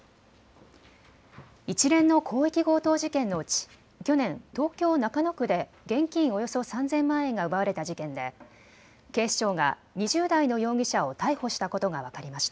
一連の広域強盗事件のうち去年、東京中野区で現金およそ３０００万円が奪われた事件で警視庁が２０代の容疑者を逮捕したことが分かりました。